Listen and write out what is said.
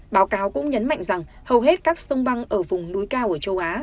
báo cáo cũng nhấn mạnh rằng hầu hết các sông băng ở vùng núi cao ở châu á